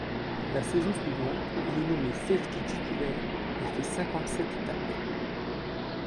La saison suivante, il est nommé safety titulaire et fait cinquante-sept tacles.